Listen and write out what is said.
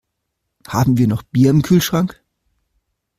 Haben wir noch Bier im Kühlschrank?